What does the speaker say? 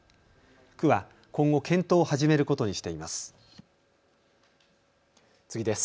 区は今後、検討を始めることにしています。